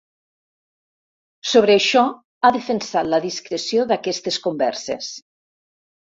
Sobre això, ha defensat la discreció d’aquestes converses.